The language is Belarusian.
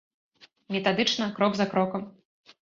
Метадычна, крок за крокам.